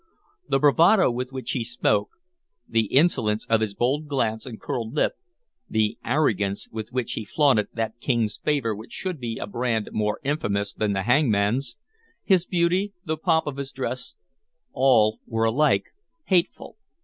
The bravado with which he spoke, the insolence of his bold glance and curled lip, the arrogance with which he flaunted that King's favor which should be a brand more infamous than the hangman's, his beauty, the pomp of his dress, all were alike hateful.